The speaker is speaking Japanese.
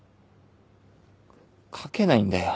書けないんだよ。